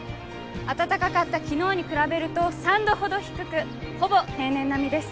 暖かかった昨日に比べると３度ほど低くほぼ平年並みです。